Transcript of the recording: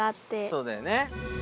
そうだよね。